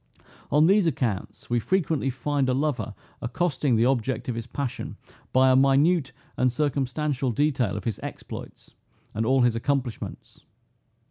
On these accounts, we frequently find a lover accosting the object of his passion by a minute and circumstantial detail of his exploits, and all his accomplishments.